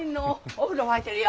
お風呂沸いてるよ。